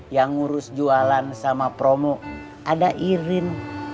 yang ngurus jualan sama promo ada irin